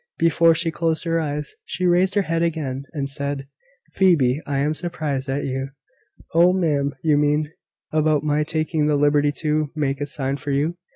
Before she closed her eyes, she raised her head again, and said "Phoebe, I am surprised at you " "Oh, ma'am, you mean about my taking the liberty to make a sign to you.